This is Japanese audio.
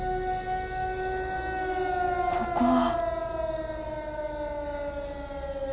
ここは。